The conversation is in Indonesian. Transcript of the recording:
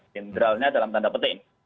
jenderalnya dalam tanda penting